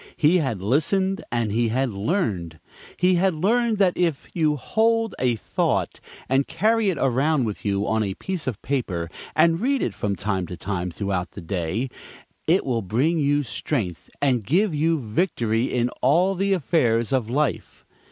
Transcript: He had listened, and he had learned. He had learned that if you "hold a thought" and carry it around with you on a piece of paper, and read it from time to time throughout the day, it will bring you strength and give you victory in all the affairs of life.